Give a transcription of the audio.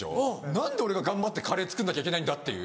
何で俺が頑張ってカレー作んなきゃいけないんだっていう。